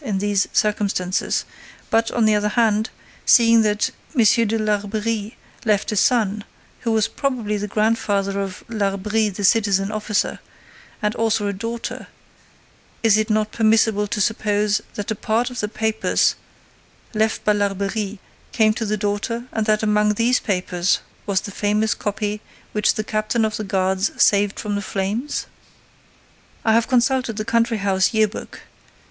in these circumstances; but, on the other hand, seeing that M. de Larbeyrie left a son, who was probably the grandfather of Larbrie the citizen officer, and also a daughter, is it not permissible to suppose that a part of the papers left by Larbeyrie came to the daughter and that among these papers was the famous copy which the captain of the guards saved from the flames? I have consulted the Country house Year book.